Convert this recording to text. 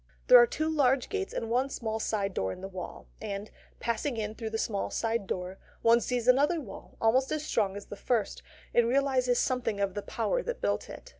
There are two large gates and one small side door in the wall; and, passing in through the small side door, one sees another wall almost as strong as the first, and realises something of the power that built it.